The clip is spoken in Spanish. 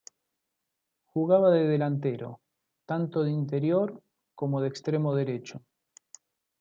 Jugaba de delantero, tanto de interior como de extremo derecho.